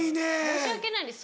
申し訳ないです